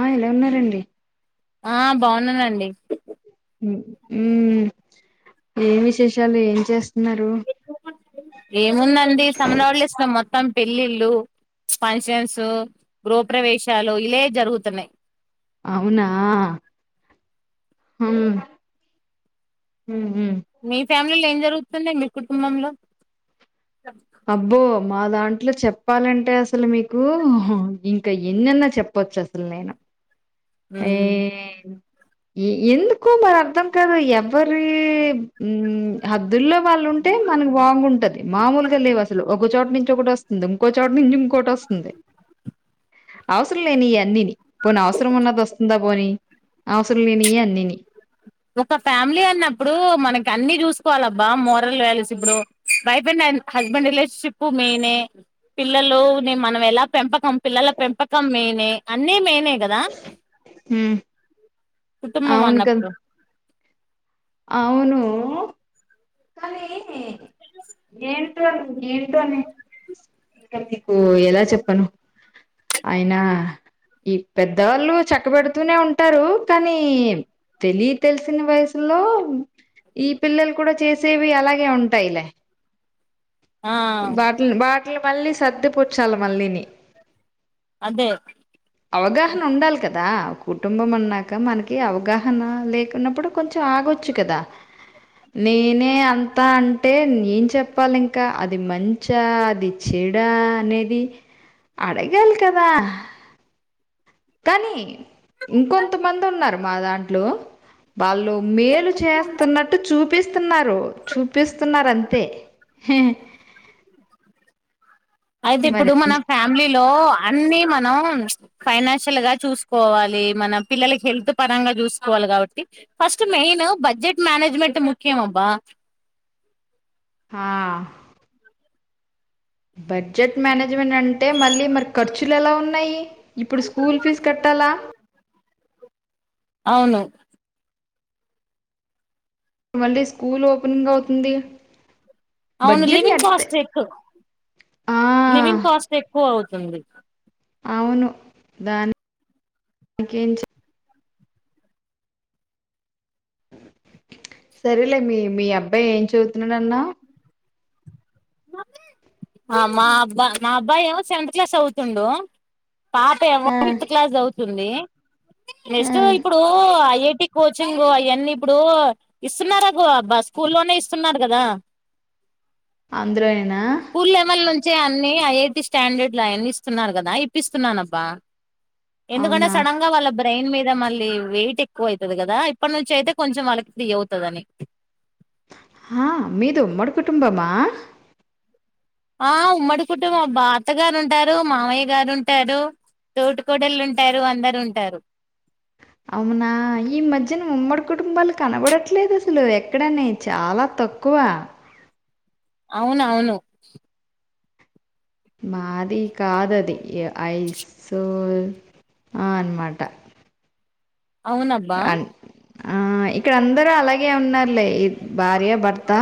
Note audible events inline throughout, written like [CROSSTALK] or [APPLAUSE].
ఆ ఎలా ఉన్నారండి ఆ బాన్నానండి ఉమ్ ఏం విశేషాలు ఏం చేస్ ఏముందండి సమ్మన్ హాలిడేస్ లో మొత్తం పెళ్లిళ్లు ఫంక్షన్స్ గృహప్రవేశాలు ఇలే జరుగుతున్నాయి అవునా హమ్మ్ మ్ మీ ఫ్యామిలీలో ఏం జరుగుతుంది మీ కుటుంబంలో అబ్బో మా దాంట్లో చెప్పాలంటే అసలు మీకు ఇంకా ఎన్నెన్నో చెప్ప కోచ్చ అసలు నేను ఏ ఉమ్. ఇ ఎందుకో మరి అర్థం కాదు ఎవ్వరీ ఉమ్ హబ్ దుల్లో వాళ్ళు ఉంటే మనకి బాగుంటది మామూలు అసలు ఒకచోటు నుంచి ఒకటి వస్తుంది ఇంకో చోటు నుంచి ఇంకోటి వస్తుంది అవసరం లేని అన్నిని పోనీ అవసరం ఉన్నది వస్తుందా పోనీ అవసరం లేనియే అన్నిని ఒక ఫ్యామిలీ అన్నప్పుడు మనకి అన్ని చూసుకోవాలబ్బా మోరల్ వాల్యూస్ ఇప్పుడు వైఫ అండ్ హ హస్బండ్ రిలేేషన్షిప్పు మైనే పిల్లలుని మనం ఎలా పెంపకం పిల్లల పెంపకం మెయినే అన్నీ మెయినే గదా హ్మ్ కుటుంబం అవును కదా అన్నప్పుడు అవును కానీ ఏ ఇంకా నీకు ఎలా చెప్పను అయినా ఈ పెద్దవాళ్ళు చక్క పెడుతూనే ఉంటారు కానీ తెలి తెలిసిన వయసు లో ఈ పిల్లలు కూడా చేసేవి అలాగే ఉంటాయిలే ఆ ఇంక మళ్ళీ సర్దిపుచ్చాలి మళ్ళీని అదే అవగాహన ఉండాలి కదా కుటుంబం అన్నాక మనకి అవగాహన లేకున్నప్పుడు కొంచెం ఆగొచ్చు కదా నేనే అంతా అంటే నేం చెప్పాలి ఇంకా అది మంచా అది చే ఏడా అనేది అడగాలి కదా కానీ ఇంకొంతమంది ఉన్నారు మా దాంట్లో వాళ్ళు మేలు చేస్తున్నట్టు చూపిస్తున్నారు చూపిస్తున్నారు అంతే హ అయితే ఇప్పుడు మన ఫ్యామిలీలో అన్ని మ మనం ఫైనాన్షియల్ గా చూసుకోవాలి మన పిల్లలకి హెల్త్ పరంగా చూసుకోవాలి కాబట్టి ఫస్ట్ మెయిన్ బడ్జెట్ మననేజ్మెంట్ ముఖ్యమబ్బా హా బడ్జెట్ మేనేజ్మెంట్ అంటే మళ్ళీ మరి ఖర్చులు ఎలా ఉన్నాయి. ఇప్పుడు స్కూల్ ఫీజు కట్టాలా అవును మళ్ళీ స్కూల్ ఓపెనింగ్ అవుతుంది అవును బడ్జెట్ లివింగ్ నెట్ కాస్ట్ ఎక్కు ఆ, లివింగ్ కాస్ట్ ఎక్కువ అవు తుంది అవును దానికి ఎం చే సరేలే మీ మీ అబ్బాయి ఏం చదువుతున్నాడన్నవు ఆ మా అబ్బా మా అబ్బాయి ఏమో సెవెంత్ క్లాస్ చదువుతుండు. పాప ఏమో ఆ, ఫిత్ క్లాస్ చదువుతుంది ఆ, నెస్ట్ ఇప్పుడు ఐ టి కోచింగ్ అయన్నీ ఇప్పుడు ఇస్తున్నారుకుబ్బా స్కూలోనే ఇస్తున్నారు కదా, అందులోనేనా స్కూల్ లెవెల్ నుంచే అన్ని ఐఐటి స్టాండర్డ్ లు అయన్ని ఇస్తున్నారు కదా ఇప్పిస్తున్నానబ్బా ఎందుకంటే అవునా సడన్ గా వాళ్ళ బ్రెయిన్ మీద మళ్ళీ వెయిట్ ఎక్కువ అయితది కదా ఇప్పటి నుంచి అయితే కొంచెం వాళ్ళకి ఫ్రీ అవుతది అని ఆ మీది ఉమ్మడి కుటుంబమా ఆ ఉమ్మడి కుటుంబం అబ్బా అత్త గారు ఉంటారు మామయ్య గారు ఉంటారు తోటి కోడలు ఉంటారు అందరు ఉంటారు అవునా ఈ మధ్యన ఉమ్మడి కుటుంబలు కనబడట్లేదు, అసలు ఎక్కడని చాలా తక్కువ అవునవును మాది కాదది ఐ సో ఆ అనమాట అవునబ్బా అన్- ఆ ఇక్కడ అందరూ అలాగే ఉన్నారులే ఈ భార్య భర్త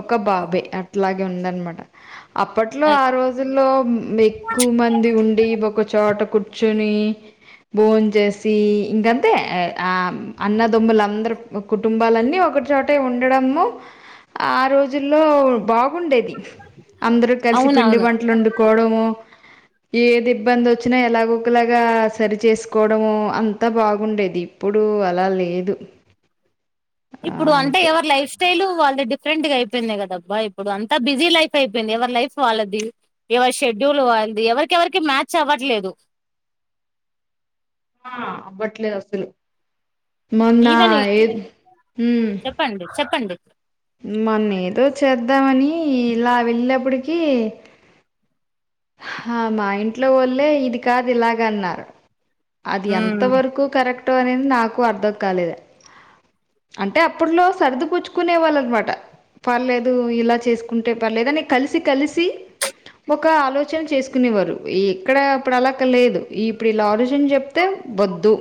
ఒక బాబే అట్లాగే ఉందనమాట అప్పట్లో ఆ రోజుల్లో ఎక్కువ మంది ఉండి చోట కూర్చుని బోన్ చేసి ఇంగంతే ఆ అన్నదొమ్ములందరు కుటుంబాలన్నీ ఒకచోటే ఉండడము ఆ రోజుల్లో బాక్ బాగుండేది అందరు కలిసి పిండి అవునవును వంటలు వండుకోవడము ఏది ఇబ్బంది వచ్చినా ఎలాగో ఒకలాగా సరిచేసుకోవడము అంతా బాగుండేది ఇప్పుడు అలా లేదు ఆ ఇప్పుడు అంటే అంతే ఎవరి లైఫ్ స్టైల్ వాళ్ళు డిఫరెంట్ గా అయిపోయింది కదా అబ్బా ఇప్పుడుఅంతా బిజీ లైఫ్ అయింది ఎవరి లైఫ్ వాళ్ళది ఎవర్ షెడ్యూల్ ఎవరికేవరికి మ్యాచ్ అవ్వట్లేదు ఆ అవ్వట్లేదు అసలు మొన్న ఈవెన్ ఏ హమ్ చెప్పండి చెప్పండి వద్దామని ఇలా వెళ్ళినప్పటికి హా మా ఇంట్లో వోళ్లే ఇది కాదు ఇలాగ అన్నారు అది ఎంత వరకు కరెక్టో అనేది నాకు అర్థం కాలేదు, అంటే అప్పట్లో సర్ది పుచ్చుకునే వాళ్ళ అనమాట పర్లేదు ఇలా చేసుకుంటే పర్లేదు అని కలిసి కలిసి ఒక ఆలోచ చేసుకునేవారు ఈ ఇక్కడ అప్పుడు అలాక లేదు ఈ ఇప్పుడు ఇలా ఆరిజన్ చెప్తే వద్దు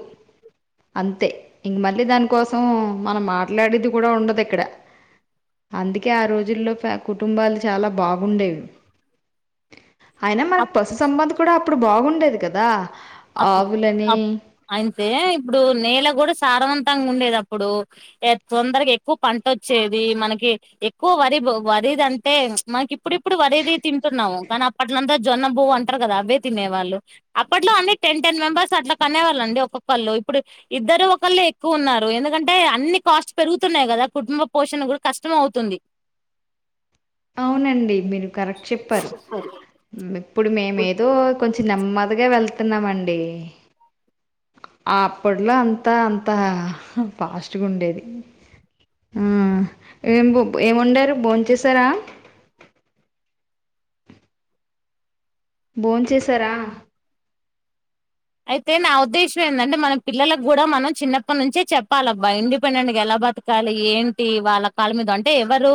అంతే ఇంక మళ్ళీ దానికోసం మనం మాట్లాడేది కూడా ఉండదు ఇక్కడ అందుకే ఆ రోజుల్లో కుటుంబాలు చాలా బాగుండేవి, అయినా మనకి అప్ పశు సంబంధ కూడా అప్పుడు బాగుండేది కదా అప్పు ఆవులని, అ అయితే ఇప్పుడు నేల కూడా సారవంతంగా ఉండేది, అప్పుడు తొందరగ ఎక్కువ పంట వచ్చేది మనకి ఎక్కువ వరి వరేది అంటే మనకి ఇప్పుడుప్పుడు వరేది తింటున్నాము కానీ అప్పట్లంత జొన్న బువ్వ అంటారు కదా అవి తినేవాళ్ళు అప్పట్లో అనే టెన్ టెన్ మెంబర్స్ అట్లా కనేవాళ్ళండి ఒక్కొక్కళ్ళు ఇప్పుడు ఇద్దరు ఒకళ్ళు ఎక్కువ ఉన్నారు ఎందుకంటే అన్ని కాస్ట్ పెరుగుతున్నాయి కదా కుటుంబ పోషణ కూడా కష్టం అవుతుంది [UNINTELLIGIBLE] అవునండి మీరు కరెక్ట్ చెప్పారు, ఇప్పుడు మేము ఏదో కొంచం నెమ్మదిగా వెళ్తున్నామండి అప్పట్లో అంతా అంతా ఫాస్ట్ గా ఉండేది, మ్మ్ ఏం వండారు భోంచేసారా భోంచేశార అయితే నా ఉద్దేశ్యం ఏంది అంటే మనం పిల్లలకు కూడా మనం చిన్నప్పటి నుంచే చెప్పాలబ్బా ఇండిపెండెంట్గా ఎలా బతకాలి ఏంటి వాళ్ళ కాళ్ళ మీద అంటే ఎవరు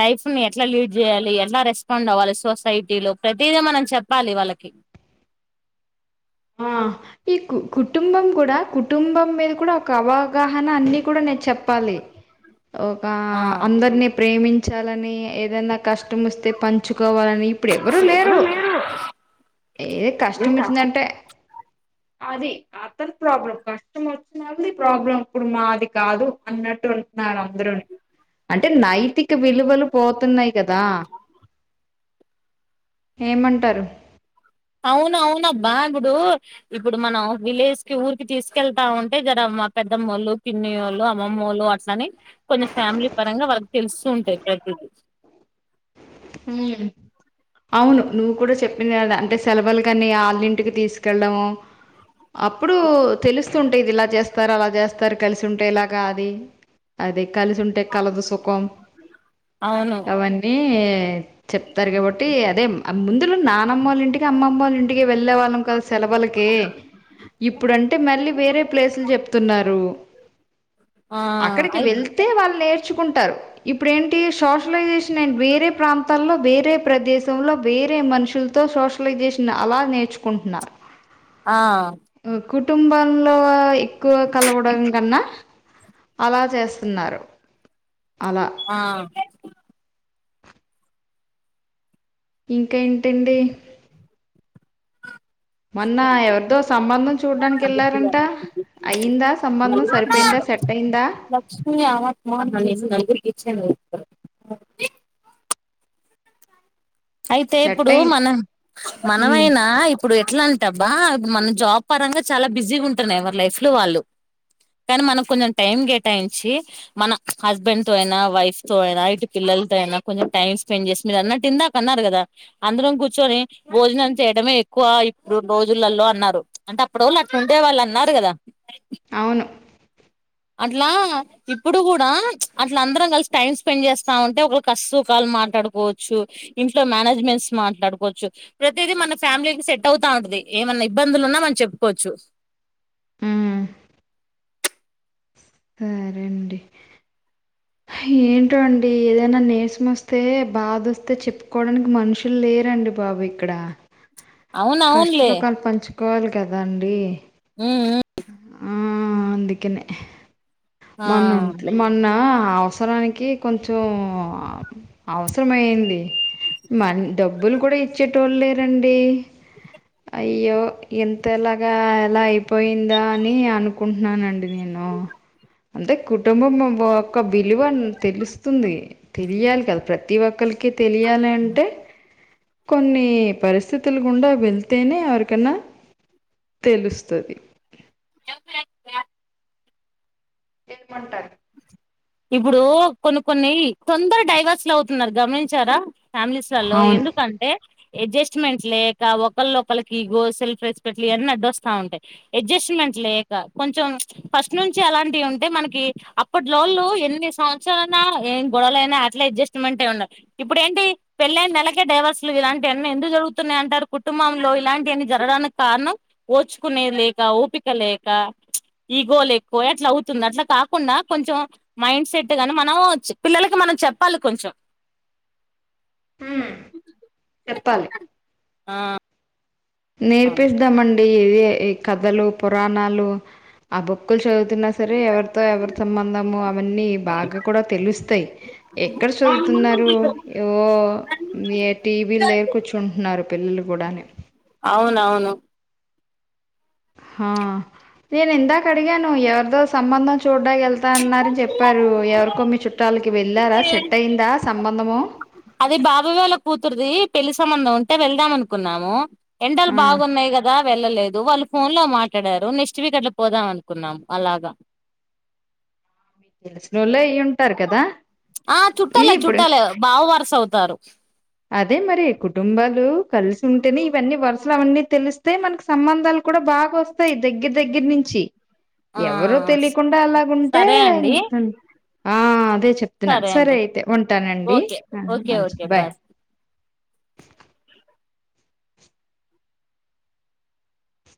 లైఫ్ ని ఎట్లా లీడ్ చేయాలి ఎట్లా రెస్పాండ్ వాళ్ళు సొసైటీలో ప్రతిది మనం చెప్పాలి వాళ్ళకి ఆ ఈ కు కుటుంబం కూడా కుటుంబం, మీద కూడా ఒక అవగాహన అన్ని అప్పుడు మీరు చెప్పాలి ఒక ఆ అందరినీ ప్రేమించాలని ఏదన్నా కష్టం వస్తే పంచుకోవాలని ఇప్పుడు ఎవరు లేరు ఏ ఏ కష్టం కష్ట వచ్చిందంటే అది అతడి ప్రాబ్లం కష్టం వచ్చినాది ఈ ప్రాబ్లం మాది కాదు అన్నట్టు మన అందరూ అంటే నైతిక విలువలు పోతున్నాయి. కదా ఏమంటారు అవును అవునా అబ్బా ఇప్పుడు, ఇప్పుడు మనం విలేజ్ కి ఊరికి తీసుకెళ్తా ఉంటే కదా, మా పెద్దమ్మళ్ళు పిన్ని వాళ్ళు అమ్మమ్మ వాళ్ళలు అట్లని కొంచెం ఫ్యామిలీ పరంగా వరకు తెలుస్తు ఉంటాయి. [UNINTELLIGIBLE] మ్మ్ అవును నువ్వు కూడా చెప్పింది అడ అంటే సెలవులు కానీ ఆళ్ళంటికి తీసుకెళ్ళడము, అప్పుడు తెలుస్తుంటా ఇది ఇలా చేస్తారు అలా చేస్తారు కలిసి ఉంటే ఇలాగా అది కలిసి ఉంటే కలదు సుఖం అవును అవన్నీ చెప్తారు కాబట్టి అదే ముందులో నా నాన్నమ్మళ్ళ ఇంటికి అమ్మమ్మళ్ళ ఇంటికి వెళ్ళే వాళ్ళం కదా సెలవులకి ఇప్పుడు అంటే మళ్ళీ వేరే ప్లేసులు చెప్తున్నారు ఆ అక్కడికి అయి వెళ్తే వాళ్ళు నేరు నేర్చుకుంటారు ఇప్పుడ ఏంటి సోషలైజేషన్ అండ్ వేరే ప్రా ప్రదేశం లో వేరే మనుషులతో సోషలైజేషన్ అలా నేర్చుకుంటున్నారు ఆ ఆ, కుటుంబంలో ఎక్కువ కలవడం కన్నా అలా చేస్తున్నారు అలా ఆ ఇంకా ఏంటి అండి మొన్న ఎవరిదో సంబంధం చూడ్డానికి వెళ్లారంట అయిందా లక్ష్మీ ఆమె ఫోన్ [INAUDIBLE] అయితే సెట్ ఇప్పుడు అయింది మనం ఉమ్, మనమైనా ఇప్పుడు ఎట్లా అంటబ్బా మనం జాబ్ పరంగా చాలా బిజీగా ఉంటున్నాయి ఎవరి లైఫ్ లో వాళ్ళు కానీ మనం కొంచెం టైం కేటాయించి మన హస్బెండ్ తో అయినా వైఫ్ తో అయినా ఇటు పిల్ల వెళ్తు అయినా కొంచెం టైం స్పెండ్ చేసి మీరు అన్నట్ ఇందామ్ అన్నారు కదా అందరం కూర్చొని భోజనం చేయడమే ఎక్కువ ఇప్పుడు ఈ రోజులలో అన్నారు అంటే అప్పుడో వొళ్ళు అట్లా ఉండే వాళ్ళు అన్నారు కదా అవును అట్లా ఇప్పుడు కూడా అట్ల అందరం కలిసి టైం స్పెండ్ చేస్తామ్ ఉంటే ఒకరు కస్ట్ సఖాల్ అల్ మాట్లాడుకోవఅచ్చు ఇంట్లో మేనేజ్మెంట్స్ మాట్లాడుకోవఅచ్చు ప్రతిదీ మన ఫ్యామిలీకి సెట్ అవుతా ఉంట అది ఏమ అన్నా ఇబ్బందులు ఉన్నా మనం చెప్పుకోవ అచ్చు మ్మ్ సరే అండి ఏంటో అండి ఏదైనా నీర్సం వస్తే బాధ వస్తే చెప్పుకోవడాఅనికి మనుషులు లేరా అండి బాబు ఇక్కడ అవును కష్ట అవునులే సఖాలు పంచుకోవాలి కదా అండి ఊ ఉ మ్ అందుకనే మొన్న ఆ ఉంటలే మొన్నా అవసరానికి కొంచెం అవసరంమయయింది మరి డబ్బులు కూడా ఇచ్చేటోళ్ళ్ లేర అండి అయ్యో ఇంత ఎలాగా ఎలా అయిపోయిందా అని అనుకుంటుఉన్నాన అండి నేను ను అంటే కుటుంబం మె ఒక్క విలువ అన్ తెలుస్తుఉంది తెలియాలి కదా ప్రతి ఒక్కళ్ కి తెలియాలి అంటే కొన్ని పరిస్థితులు గుండా వెళ్తేనే ఎవరిక అన్నా తెలుస్త అది చెప్పు లేక్ బ్యాగ్ ఏక్ మంటాఆరు ఇప్పుడు కొన్ని కొన్ని తోందర్గ డైవర్స్ లు అవుతుఉన్నారు గమనించారా ఫ్యామిలీస్ ల అల్లో అవును ఎందుకఅంటే అడ్జస్ట్మెంట్ లేక ఒకళ్ళ ఒకళఆకిగో సెల్ఫ్ రెస్పెక్ట్ ఇవ అన్నీ అడ్డొస్తా ఉంటాయి అడ్జస్ట్మెంట్ లేక కొంచెం ఫస్ట్ నుంచి అలాంటివి ఉంటే మనకి అప్పట్ లో వోళ్ళు ఇ ఎన్ని సంవత్సరాల అన్న ఏమ్ గొడవలై అయినా అట్లా అడ్జస్ట్మెంట్గ ఉండాలి ఇప్పుడే ఏంటి పెళ్ళైన నెలకే డై డైవర్స్లు ఇలాంటివఅన్నీ ఎందు జరుగుతు ఉన్నాయి అంటారు కుటుంబంలో ఇలాంటి వఅన్నీ జరడానికి కారణం ఓర్చుకునే లే లేక ఓపిక లేక ఈగోలు ఎక్కువ అయి అట్లా అవుతుంది అట్లా కాకుండా కొంచెంమ్ మైండ్ సెట్ గాని మనం పిల్లలకి మనం చెప్పాలి కొంచెం మ్ చెప్పాలి ఆ నేర్పిస్థామ అండి డీ ఇవే ఏ కథలు పురాణాలు ఆ బుక్కుల్ చదువుతుఉన్న స సరే ఎవరితో ఎవరి సంబంధము అవ అన్నీ బాగా కూడా తెలుస్తాయి ఎక్కడ చదువుతు ఉన్నారు రూ ఏవో ఏ టీవీ లేకు కూర్చుంటుఉన్నారు పిల్లలు కూడా అని అవును అవును హ నేను ఇందాక అడిగాను ఎవర్దో సంబంధం చూ చూడ్డాఅనికి వెళ్తా అన్నారు చెప్పారు ఎవరికో మీ చుట్టాలకి వెళ్ళారా సెట్ అయిందా సంభం ఉందము అది బాబు గాళ్ళ కూతురుది పెళ్లి సంబంధం ఉంటే వెళ్దాంమ్ అనుకు ఉన్నాము ఎండల్ ఆ బాగుఉన్నాయి గదా వెళ్ళలేదు వాళ్ళు ఫోన్ లో మాట్లాడారు నెక్స్ట్ వీక్ అట్లా పోదాం అనుకు ఉన్నాము అలాగా తెలిసినోళ్లే ఈయన్ ఆ చుట్టాలే చుట్టాలే బావ వరస అవుతారు అదే మరి కుటుంబాలు కలిసి ఉంటేనే ఇవన్నీ వరుసలు అవన్నీ తెలిస్తే మనకి సంబంధాలు కూడా బాగొస్తాయి దెగ్గిర్ దెగ్గిర్ నించి ఆ ఎవరు తెలియకుండా అలాగుంటే సరే అండి ఆ అదే చెప్తున్నా సరే అయితే ఉంటానండి ఓకే ఓకే ఓకే బాయ్